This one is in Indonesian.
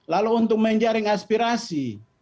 lalu untuk menjaring aspirasi